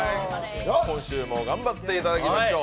今週も頑張っていただきましょう。